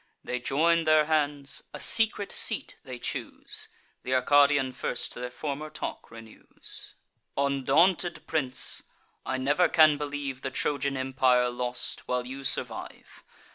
They join their hands; a secret seat they choose; Th' Arcadian first their former talk renews: "Undaunted prince, I never can believe The Trojan empire lost, while you survive.